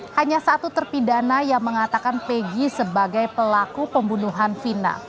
hanya satu terpidana yang mengatakan pegi sebagai pelaku pembunuhan vina